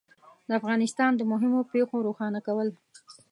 د افغانستان د مهمو پېښو روښانه کول